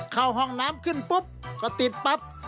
เข้าห้องน้ำขึ้นปุ๊บก็ติดปั๊บ